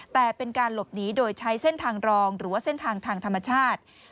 แต่เป็นการหลบหนีโดยใช้เส้นทางรองหรือว่าเส้นทางทางธรรมชาติ